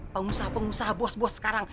pengusaha pengusaha bos bos sekarang